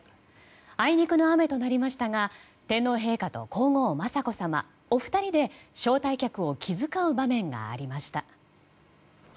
あいにくの雨となりましたが天皇陛下と皇后・雅子さまお二人で招待客を気遣う場面がありました。